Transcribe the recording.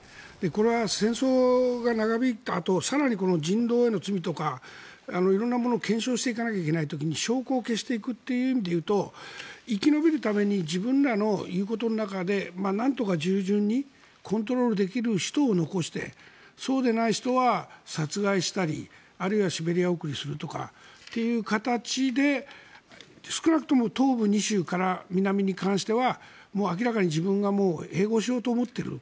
これは戦争が長引いたあとに更に人道への罪とか色んなものを検証していかなきゃいけない時に証拠を消していくという意味で言うと生き延びるために自分らの言うことの中でなんとか従順にコントロールできる人を残してそうでない人は殺害したりあるいはシベリア送りするとかという形で少なくとも東部２州から南に関してはもう明らかに自分が併合しようと思っている。